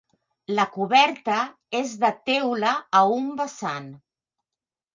La coberta és de teula a un vessant.